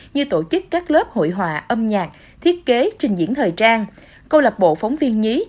như tổ chức các lớp hội hòa âm nhạc thiết kế trình diễn thời trang câu lạc bộ phóng viên nhí